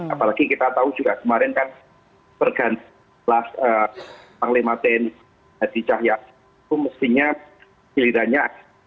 apalagi kita tahu juga kemarin kan pergantian panglima tni di cahaya itu mestinya pilihannya